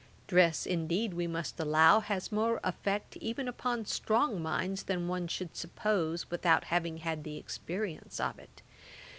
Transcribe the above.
Dress indeed, we must allow, has more effect even upon strong minds than one should suppose, without having had the experience of it.